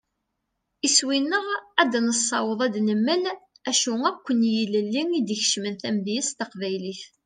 Iswi-nneɣ ad nessaweḍ ad d-nemmel acu akk n yilelli i d-ikecmen tamedyazt taqbaylit.